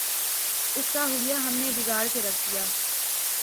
اس کا حلیہ ہم نے بگاڑ کے رکھ دیا۔